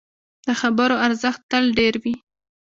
د خبرو ارزښت تل ډېر وي